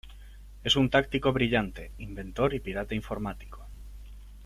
Es un táctico brillante, inventor y pirata informático.